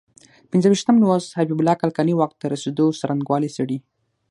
پنځه ویشتم لوست حبیب الله کلکاني واک ته رسېدو څرنګوالی څېړي.